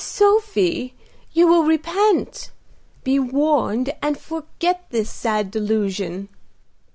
Sophie, you will repent. Be warned, and forget this sad delusion."